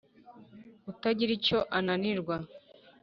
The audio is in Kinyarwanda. utagira icyo ananirwa,